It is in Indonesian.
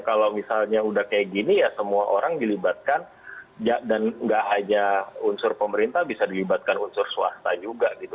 kalau misalnya udah kayak gini ya semua orang dilibatkan dan nggak hanya unsur pemerintah bisa dilibatkan unsur swasta juga gitu